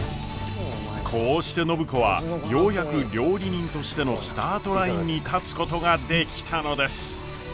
こうして暢子はようやく料理人としてのスタートラインに立つことができたのです。